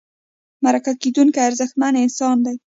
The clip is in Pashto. مرکه کېدونکی ارزښتمن انسان دی.